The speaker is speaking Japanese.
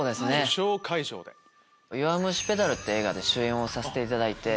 『弱虫ペダル』って映画で主演をさせていただいて。